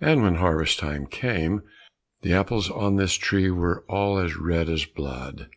And when harvest time came, the apples on this tree were all as red as blood.